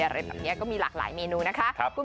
อะไรแบบนี้ก็มีหลากหลายเมนูนะคะ